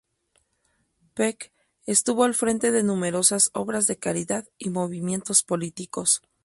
Peck estuvo al frente de numerosas obras de caridad y movimientos políticos.